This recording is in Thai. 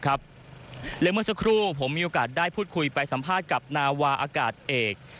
และเมื่อสักครู่ผมมีโอกาสได้พูดคุยไปสัมภาษณ์กับนาวาอากาศเอก